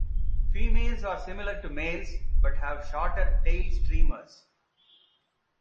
Females are similar to males but have shorter tail streamers.